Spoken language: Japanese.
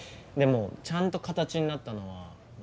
でもちゃんと形になったのは。